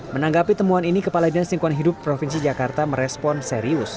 menanggapi temuan ini kepala dinas lingkungan hidup provinsi jakarta merespon serius